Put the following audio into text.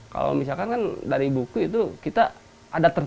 kalau misalkan kan dari buku itu kita ada ter